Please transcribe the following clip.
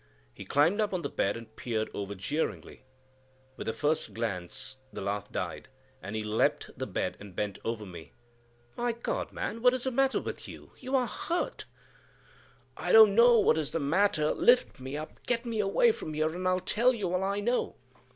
He climbed up on the bed and peered over jeeringly. With the first glance the laugh died, and he leaped the bed and bent over me. "My God, man, what is the matter with you? You are hurt!" "I don't know what is the matter; lift me up, get me away from here, and I'll tell you all I know."